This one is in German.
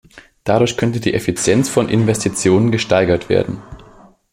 Dadurch könnte die Effizienz von Investitionen gesteigert werden.